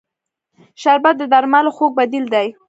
شربت د درملو خوږ بدیل دی